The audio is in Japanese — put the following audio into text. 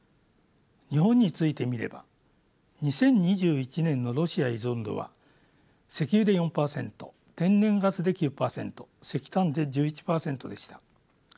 日本について見れば２０２１年のロシア依存度は石油で４％天然ガスで９％石炭で１１％でした。